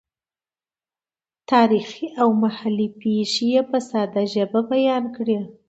تاریخي او محلي پېښې یې په ساده ژبه بیان کړې.